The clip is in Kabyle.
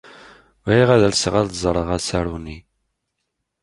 Bɣiɣ ad alseɣ ad ẓreɣ asaru-nni.